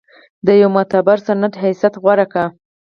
د یوه معتبر سند حیثیت غوره کړ.